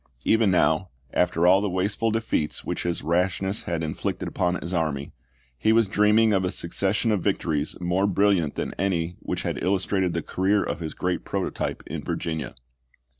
Even now, after all the wasteful defeats which his rashness had inflicted upon his army, he was dreaming of a succession of victories more brilliant than any which had illustrated the career of his great prototype in Virginia.